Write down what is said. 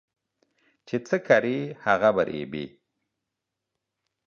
چي څه کرې ، هغه به رېبې.